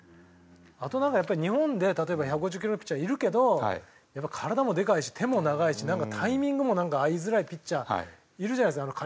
あとやっぱり日本で例えば１５０キロのピッチャーがいるけど体もでかいし手も長いしタイミングも合いづらいピッチャーいるじゃないですか。